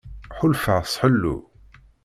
Ḥulfaɣ s ḥellu.